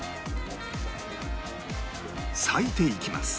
割いていきます